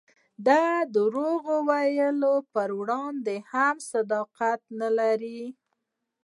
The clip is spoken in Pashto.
د درواغ ویلو په وړاندې هم صداقت نه لري.